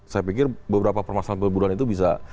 saya pikir beberapa permasalahan perburuan itu bisa